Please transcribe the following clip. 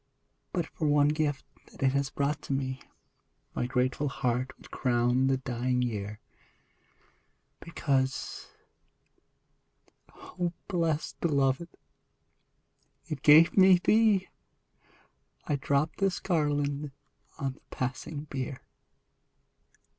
But for one gift that it has brought to me My grateful heart would crown the dying Year : Because, O best beloved, it gave me thee, I drop this garland on the passing bier